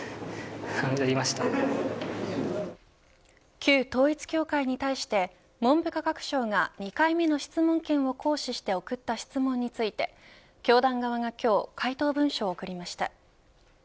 旧統一教会に対して文部科学省が２回目の質問権を行使して送った質問について教団側が今日回答文書を送りました。